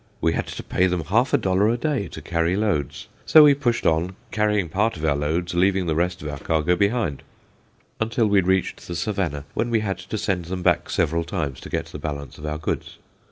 We had to pay them half a dollar a day to carry loads. So we pushed on, carrying part of our loads, leaving the rest of our cargo behind, until we reached the Savannah, when we had to send them back several times to get the balance of our goods.